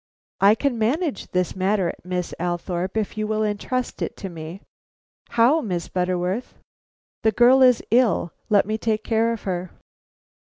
"I can manage this matter, Miss Althorpe, if you will entrust it to me." "How, Miss Butterworth?" "The girl is ill; let me take care of her."